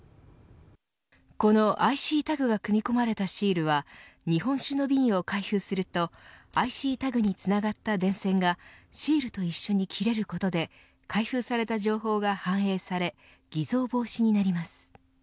この、ＩＣタグが組み込まれたシールは日本酒の瓶を開封するとＩＣタグにつながった電線がシールと一緒に切れることで開封された情報が反映され偽造防止になります。